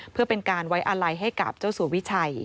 เพื่อเป็นการไว้อาลัยให้กับเจ้าสัววิชัย